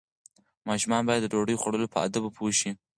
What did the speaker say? ماشومان باید د ډوډۍ خوړلو په آدابو پوه شي.